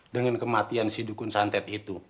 dengan kematian si dukun santet itu